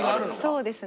そうですね。